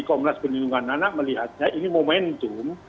komnas perlindungan anak melihatnya ini momentum